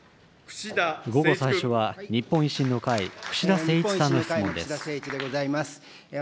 午後最初は、午後最初は、日本維新の会、串田誠一さんの質問です。